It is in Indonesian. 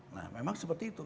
nah memang seperti itu